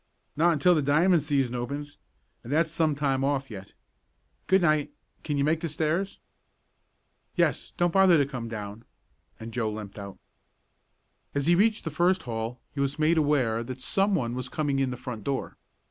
"Not until the diamond season opens, and that's some time off yet. Good night can you make the stairs?" "Yes don't bother to come down," and Joe limped out. As he reached the first hall he was made aware that someone was coming in the front door.